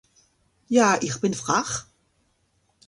ja ich bin frach